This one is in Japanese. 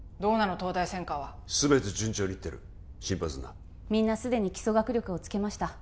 東大専科はすべて順調にいってる心配すんなみんなすでに基礎学力をつけました